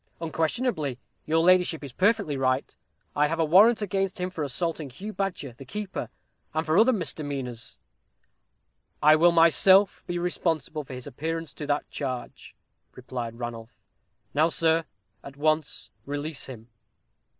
"Unquestionably, your ladyship is perfectly right; I have a warrant against him for assaulting Hugh Badger, the keeper, and for other misdemeanors." "I will myself be responsible for his appearance to that charge," replied Ranulph. "Now, sir, at once release him."